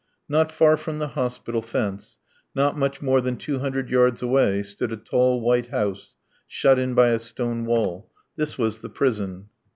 Not far from the hospital fence, not much more than two hundred yards away, stood a tall white house shut in by a stone wall. This was the prison.